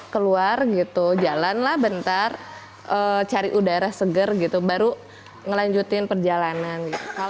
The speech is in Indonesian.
keluar gitu jalan lah bentar cari udara seger gitu baru ngelanjutin perjalanan